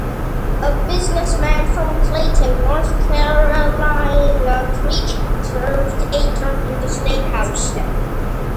A businessman from Clayton, North Carolina, Creech served eight terms in the state House.